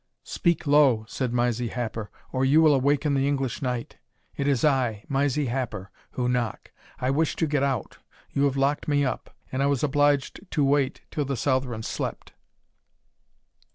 "Speak low," said Mysie Happer, "or you will awaken the English knight. It is I, Mysie Happer, who knock I wish to get out you have locked me up and I was obliged to wait till the Southron slept."